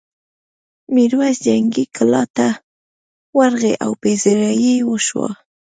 میرويس جنګي کلا ته ورغی او پذيرايي یې وشوه.